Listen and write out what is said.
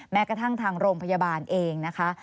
แม้กระทั่งทางโรงพยาบาลเองนะคะ